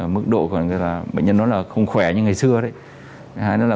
mức độ của bệnh nhân không khỏe như ngày xưa